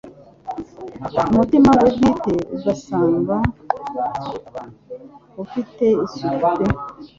Umutima we bwite ugasanga ufite isuku pe